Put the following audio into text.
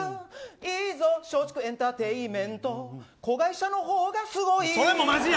いいぞ松竹エンタテインメント子会社のほうがすごい。